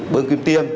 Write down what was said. bớn kim tử